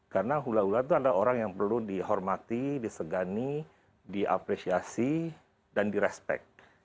karena hula hula itu adalah orang yang perlu dihormati disegani diapresiasi dan di respect